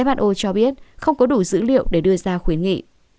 who cho biết không có đủ dữ liệu để đưa ra khuyến nghị